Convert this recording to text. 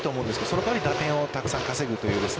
そのかわり打点をたくさん稼ぐという。